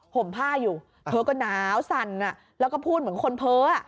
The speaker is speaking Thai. ห่มผ้าอยู่เธอก็หนาวสั่นแล้วก็พูดเหมือนคนเพ้อ